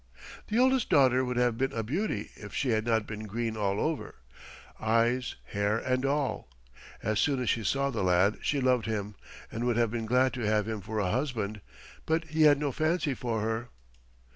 The oldest daughter would have been a beauty if she had not been green all over eyes, hair, and all. As soon as she saw the lad she loved him and would have been glad to have him for a husband, but he had no fancy for her.